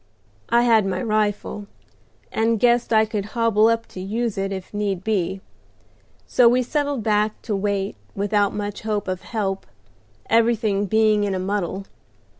I had my rifle, and guessed I could hobble up to use it if need be; so we settled back to wait without much hope of help, everything being in a muddle.